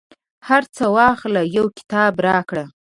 هرڅه واخله، یو کتاب راکړه